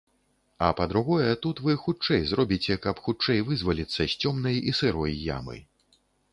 А па-другое, тут вы хутчэй зробіце, каб хутчэй вызваліцца з цёмнай і сырой ямы.